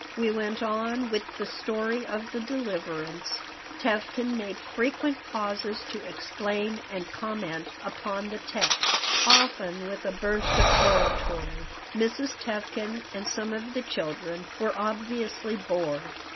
We went on with the Story of the Deliverance. Tevkin made frequent pauses to explain and comment upon the text, often with a burst of oratory. Mrs. Tevkin and some of the children were obviously bored.